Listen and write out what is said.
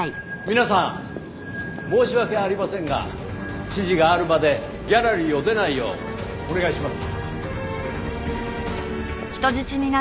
皆さん申し訳ありませんが指示があるまでギャラリーを出ないようお願いします。